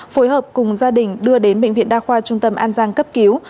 phối hợp cùng gia đình đưa đến bệnh viện đa khoa trung tâm an giang cấp cứu